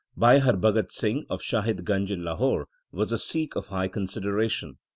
Bhai Harbhagat Singh, of Shahid Ganj in Lahore, was a Sikh of high consideration.